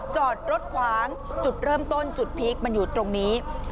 จอดรถขวางจุดเริ่มต้นจุดพีคมันอยู่ตรงนี้